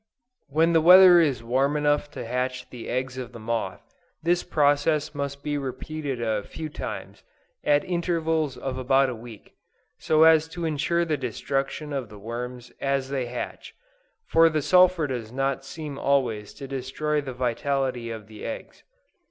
When the weather is warm enough to hatch the eggs of the moth, this process must be repeated a few times, at intervals of about a week, so as to insure the destruction of the worms as they hatch, for the sulphur does not seem always to destroy the vitality of the eggs.